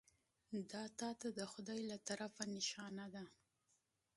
دا تا ته د خدای له طرفه نښانه ده .